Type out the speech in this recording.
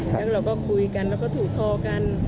แล้วเราก็คุยกันแล้วก็ถูกคอกัน